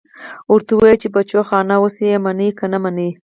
ورته ووايه چې بچوخانه اوس يې منې که نه منې.